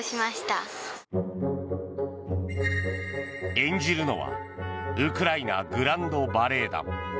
演じるのはウクライナ・グランド・バレエ団。